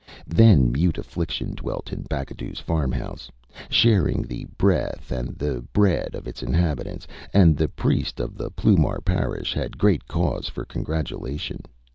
Then mute affliction dwelt in BacadouÂs farmhouse, sharing the breath and the bread of its inhabitants; and the priest of the Ploumar parish had great cause for congratulation.